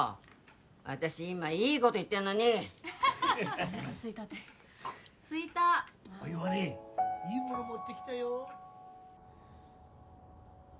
私今いいこと言ってんのにおなかすいたとすいたー俺はねいいもの持ってきたよ